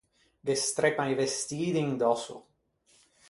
Ghe streppan i vestî d’indòsso.